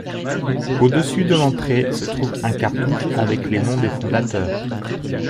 Au-dessus de l'entrée se trouve un cartouche avec les noms des fondateurs.